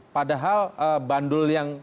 padahal bandul yang